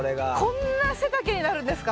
こんな背丈になるんですか。